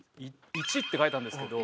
１って書いたんですけど。